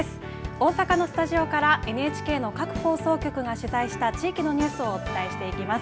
大阪のスタジオからＮＨＫの各放送局が取材した地域のニュースをお伝えていきます。